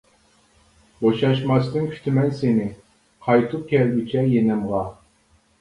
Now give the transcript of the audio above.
بوشاشماستىن كۈتىمەن سېنى، قايتىپ كەلگۈچە يېنىمغا.